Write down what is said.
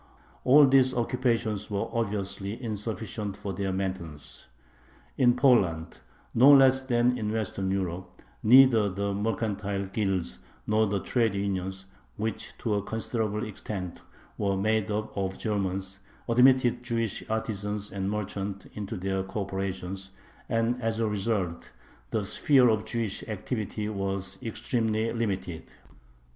All these occupations were obviously insufficient for their maintenance. In Poland no less than in Western Europe neither the mercantile guilds nor the trade unions, which to a considerable extent were made up of Germans, admitted Jewish artisans and merchants into their corporations, and as a result the sphere of Jewish activity was extremely limited.